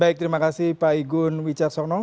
baik terima kasih pak igun wicat sognong